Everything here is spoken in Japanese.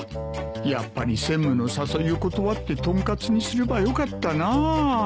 やっぱり専務の誘いを断って豚カツにすればよかったな。